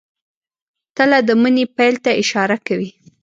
تله د مني پیل ته اشاره کوي.